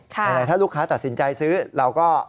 ไหนถ้าลูกค้าตัดสินใจซื้อเราก็